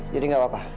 jadi enggak apa apa